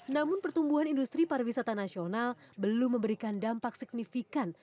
namun pertumbuhan industri pariwisata nasional belum memberikan dampak signifikan